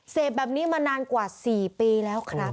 เสพแบบนี้มานานกว่า๔ปีแล้วครับ